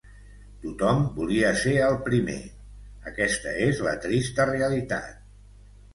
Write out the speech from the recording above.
Tothom volia ser el primer… Aquesta és la trista realitat.